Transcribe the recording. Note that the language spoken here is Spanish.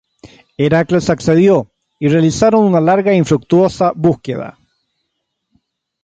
Heracles accedió y realizaron una larga e infructuosa búsqueda.